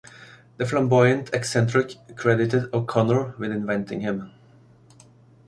The flamboyant eccentric credited O'Connor with inventing him.